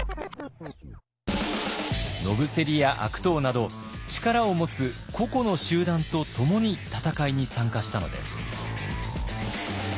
野伏や悪党など力を持つ個々の集団と共に戦いに参加したのです。